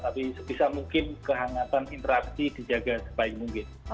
tapi sebisa mungkin kehangatan interaksi dijaga sebaik mungkin